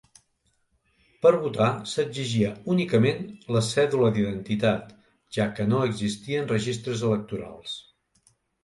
Per votar s'exigia únicament la cèdula d'identitat, ja que no existien registres electorals.